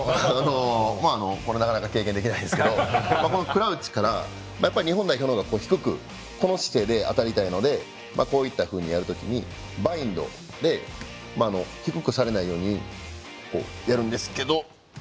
なかなか経験できてないんですけどクラウチから日本代表のほうが低くこの姿勢で当たりたいのでこういったふうにやるときにバインドで、低くされないようにやるんですけど。